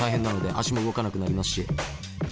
足も動かなくなりますし。